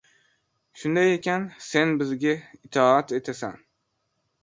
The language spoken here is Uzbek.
Shunday ekan, sen bizga itoat etasan.